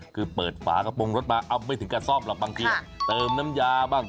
คือเปิดฝากระโปรงรถมาเอาไว้จึงการซ่อมลงบางทีเติมน้ำยาบ้าง